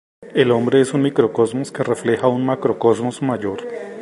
El hombre es un microcosmos que refleja un macrocosmos mayor.